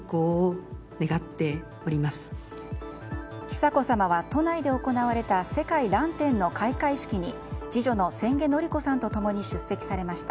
久子さまは、都内で行われた世界らん展の開会式に次女の千家典子さんと共に出席されました。